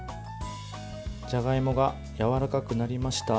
じゃがいもがやわらかくなりました。